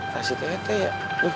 kasih teh teh ya